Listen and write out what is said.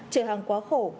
chở hàng quá khổ